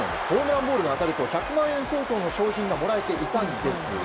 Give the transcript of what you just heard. ホームランボールが当たると１００万円相当の商品がもらえていたんです。